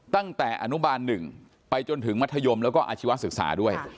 ตั้งแต่อนุบาล๑ไปจนถึงมัธยมแล้วก็อาชีวศึกษาด้วย